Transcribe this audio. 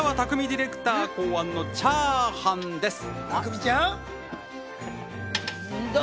ディレクター考案の茶ーハンです。